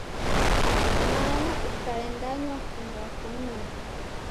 Mwana ukaendanywa kunywa kumnughe.